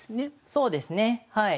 そうですねはい。